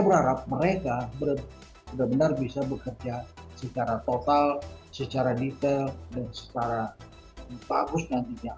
berharap mereka benar benar bisa bekerja secara total secara detail dan secara bagus nantinya